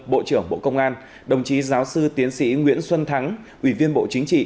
bộ trưởng bộ công an đồng chí giáo sư tiến sĩ nguyễn xuân thắng ủy viên bộ chính trị